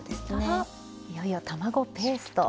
あっいよいよ卵ペースト。